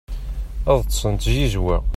ad ṭṭsen d tzizwa